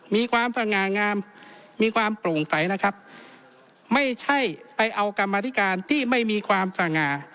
มีความสง่างามมีความโปร่งใสนะครับไม่ใช่ไปเอากรรมธิการที่ไม่มีความสง่า